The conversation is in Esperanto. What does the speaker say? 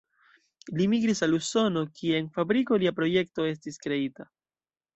Li migris al Usono, kie en fabriko lia projekto estis kreita.